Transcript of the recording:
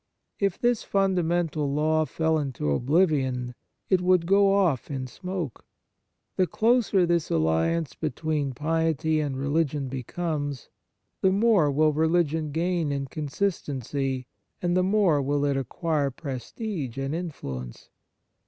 If this funda mental law fell into oblivion, it would go off in smoke. The closer this alliance between * Jas. i. 27. 99 On Piety piety and religion becomes, the more will religion gain in consistency, and the more will it acquire prestige and influence.